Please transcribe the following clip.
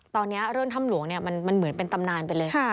ตอนนี้เรื่องถ้ำหลวงมันเหมือนเป็นตำนานไปเลย